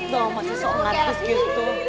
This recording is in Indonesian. lihat dong masih seungat gitu